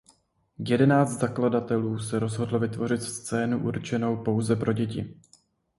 Jedenáct zakladatelů se rozhodlo vytvořit scénu určenou pouze pro děti.